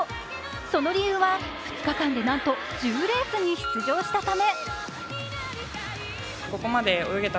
その理由は２日間でなんと１０レースに出場したため。